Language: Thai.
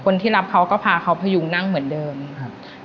คนที่รับเขาก็พาเขาพยุงนั่งเหมือนเดิมครับ